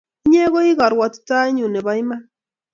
Inye ii karuotitoenyu nebo iman